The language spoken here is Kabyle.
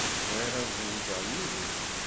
Bɣiɣ ad zewǧeɣ yid-k.